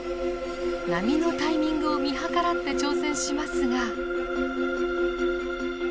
波のタイミングを見計らって挑戦しますが。